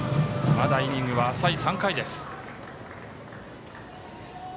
まだイニングは浅い３回。